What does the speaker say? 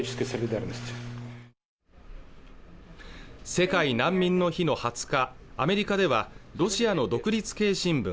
世界難民の日の２０日アメリカではロシアの独立系新聞